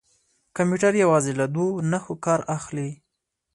کمپیوټر یوازې له دوه نښو کار اخلي.